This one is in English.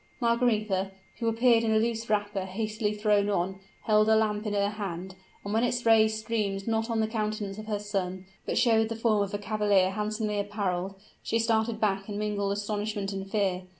Margaretha, who appeared in a loose wrapper hastily thrown on, held a lamp in her hand; and when its rays streamed not on the countenance of her son, but showed the form of a cavalier handsomely appareled, she started back in mingled astonishment and fear.